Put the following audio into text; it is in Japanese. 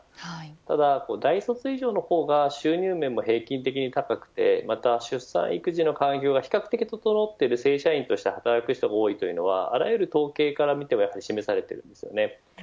ただ大卒以上の方が収入面も平均的に高くて出産育児の環境が比較的整っている正社員として働く人が多いというのはあらゆる統計からも示されています。